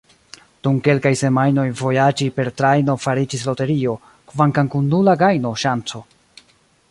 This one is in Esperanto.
Dum kelkaj semajnoj vojaĝi per trajno fariĝis loterio – kvankam kun nula gajno-ŝanco.